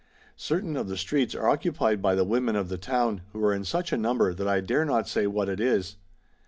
Certain of the streets are occupied by the women of the town, who are in such a number that I dare not say what it is.